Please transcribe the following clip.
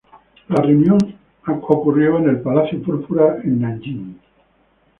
La reunión ocurrió en el palacio púrpura en Nanjing.